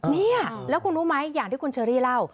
นี่แล้วคุณรู้ไหมอย่างที่คุณเชอรี่เล่า